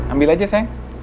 ambil aja sayang